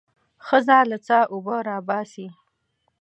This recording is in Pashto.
ښځه له څاه اوبه راباسي.